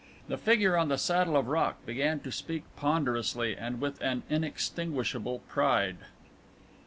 The figure on the saddle of rock began to speak ponderously and with an inextinguishable pride.